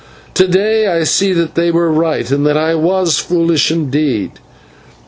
To day I see that they were right, and that I was foolish indeed.